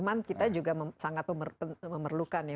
cuman kita juga sangat memerlukan ya